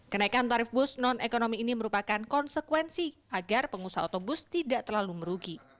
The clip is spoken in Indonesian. kenaikan tarif bus non ekonomi ini merupakan konsekuensi agar pengusaha otobus tidak terlalu merugi